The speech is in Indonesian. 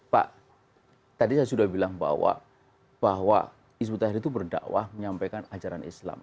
pak tadi saya sudah bilang bahwa hizbut tahrir itu berdakwah menyampaikan ajaran islam